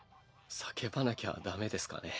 叫ばなきゃダメですかね。